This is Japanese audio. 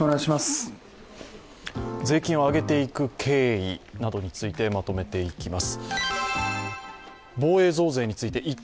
税金を上げていく経緯などについてまとめていきます。